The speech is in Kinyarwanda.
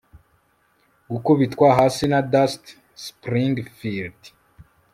gukubitwa hasi na dusty springfield